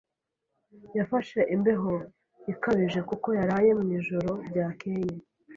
Yafashe imbeho ikabije kuko yaraye mu ijoro ryakeye.